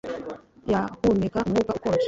Yahumeka umwuka ukonje